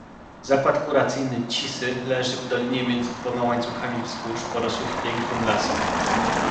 "Zakład kuracyjny »Cisy« leży w dolinie między dwoma łańcuchami wzgórz, porosłych pięknym lasem."